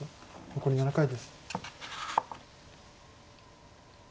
残り７回です。